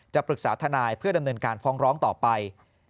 ปรึกษาทนายเพื่อดำเนินการฟ้องร้องต่อไป